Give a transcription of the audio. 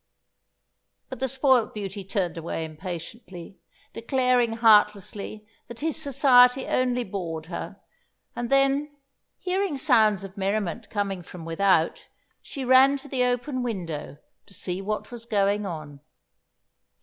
But the spoilt beauty turned away impatiently, declaring heartlessly that his society only bored her; and then, hearing sounds of merriment coming from without, she ran to the open window to see what was going on.